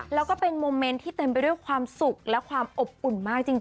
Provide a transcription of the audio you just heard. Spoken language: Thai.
แล้วก็เป็นโมเมนต์ที่เต็มไปด้วยความสุขและความอบอุ่นมากจริง